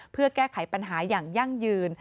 เพื่อแก้ไขปัญหาอย่างยั่งยืน